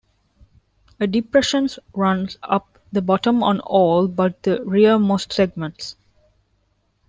A depression runs up the bottom on all but the rearmost segments.